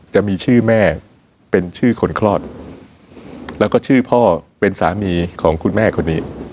จะมีชื่อแม่เป็นชื่อคนคลอดแล้วก็ชื่อพ่อเป็นสามีของคุณแม่คนนี้